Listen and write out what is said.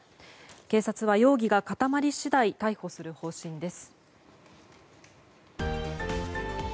警察は容疑が固まり次第逮捕する方針です。